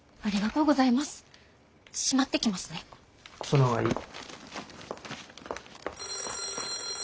その方がいい。